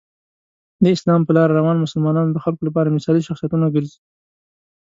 د اسلام په لاره روان مسلمانان د خلکو لپاره مثالي شخصیتونه ګرځي.